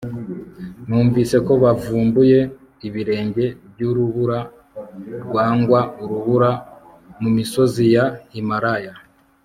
Numvise ko bavumbuye ibirenge byurubura rwangwa urubura mumisozi ya Himalaya